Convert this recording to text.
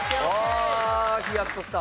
ああヒヤッとした。